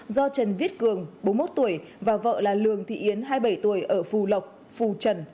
do trần viết cường bốn mươi một tuổi và vợ là lường thị yến hai mươi bảy tuổi ở phù lộc phù trần